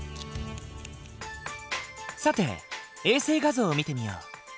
さて衛星画像を見てみよう。